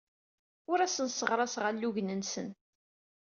Ur asen-sseɣraseɣ alugen-nsen.